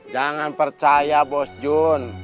jangan percaya bos jun